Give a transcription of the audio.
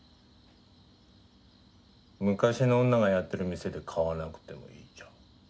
昔の女がやってる店で買わなくてもいいじゃん。